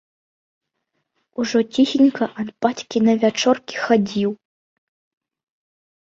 Ужо ціхенька ад бацькі на вячоркі хадзіў.